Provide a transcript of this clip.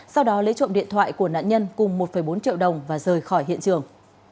sau đó lấy trộm điện thoại của nạn nhân cùng một bốn triệu đồng và rời khỏi hiện trường